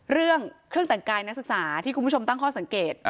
เรื่องเครื่องแต่งกายนักศึกษาที่คุณผู้ชมตั้งข้อสังเกต